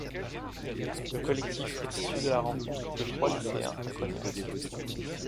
Le collectif est issu de la rencontre de trois lycéens à Cognac.